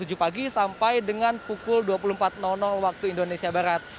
pukul tujuh pagi sampai dengan pukul dua puluh empat waktu indonesia barat